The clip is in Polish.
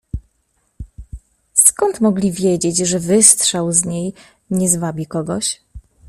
"Skąd mogli wiedzieć, że wystrzał z niej nie zwabi kogoś?"